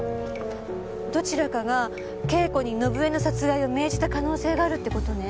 どちらかが恵子に伸枝の殺害を命じた可能性があるって事ね。